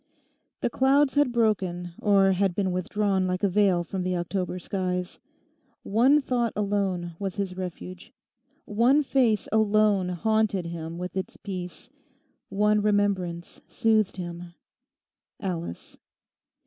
The clouds had broken, or had been withdrawn like a veil from the October skies. One thought alone was his refuge; one face alone haunted him with its peace; one remembrance soothed him—Alice.